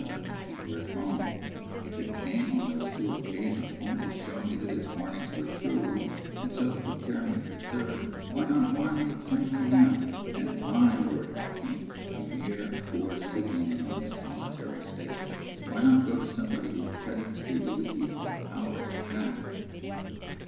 Let them keep her at home'? If it came, on those two occasions, only to show me that its warnings were true, and so to prepare me for the third, why not warn me plainly now? And I, Lord help me! A mere poor signal man on this solitary station! Why not go to somebody with credit to be believed, and power to act?"